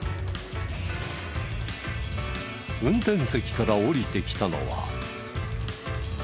運転席から降りてきたのは。